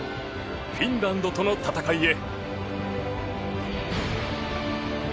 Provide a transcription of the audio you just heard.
フィンランドとの戦いへ。